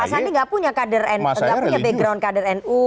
pak sandi gak punya background kader nu